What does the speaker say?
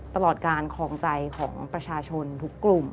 ตลอดการคลองใจของประชาชนทุกกลุ่ม